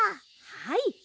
はい。